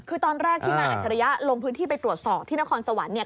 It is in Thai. คือตอนแรกที่นายอัจฉริยะลงพื้นที่ไปตรวจสอบที่นครสวรรค์เนี่ย